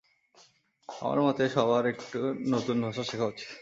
আমার মতে সবার একটা নতুন ভাষা শেখা উচিত।